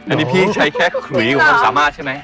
อันนี้พี่ใช้แค่ขุยของความสามารถใช่ไหม